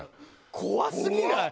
怖すぎない？